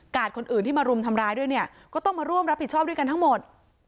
คนอื่นที่มารุมทำร้ายด้วยเนี่ยก็ต้องมาร่วมรับผิดชอบด้วยกันทั้งหมด